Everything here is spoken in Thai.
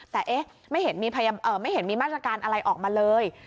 แต่เอ๊ะไม่เห็นมีไม่เห็นมีมาตรการอะไรออกมาเลย